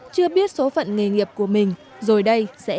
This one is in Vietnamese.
chưa biết số phận nghề nghiệp của mình rồi đây sẽ như thế nào